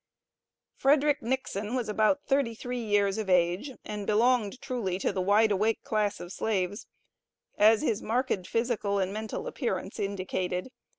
FREDERICK NIXON was about thirty three years of age, and belonged truly to the wide awake class of slaves, as his marked physical and mental appearance indicated.